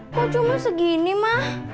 kok cuma segini mah